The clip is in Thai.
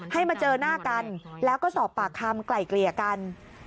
ให้มาเจอหน้ากันแล้วก็สอบปากคำไกล่เกลี่ยกัน